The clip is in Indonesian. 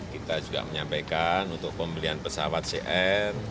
kita juga menyampaikan untuk pembelian pesawat cr